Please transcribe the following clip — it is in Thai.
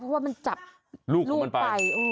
เพราะว่ามันจับลูกไป